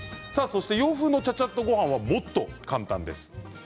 洋風のチャチャッとごはんはもっと簡単です。